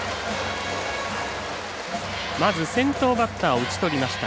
まず先頭バッターを打ち取りました。